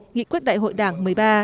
nghị quyết đại hội đảng một mươi ba